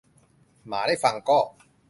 หมาได้ฟังก็